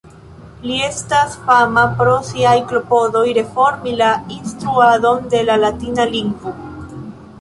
Li estas fama pro siaj klopodoj reformi la instruadon de la latina lingvo.